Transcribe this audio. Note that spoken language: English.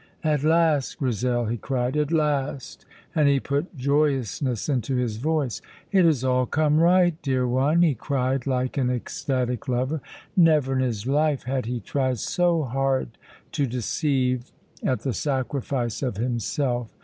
"At last, Grizel," he cried, "at last!" and he put joyousness into his voice. "It has all come right, dear one!" he cried like an ecstatic lover. Never in his life had he tried so hard to deceive at the sacrifice of himself.